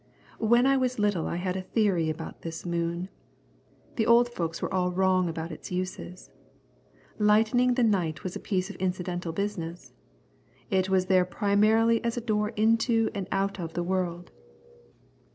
When I was little I had a theory about this moon. The old folks were all wrong about its uses. Lighting the night was a piece of incidental business. It was there primarily as a door into and out of the world.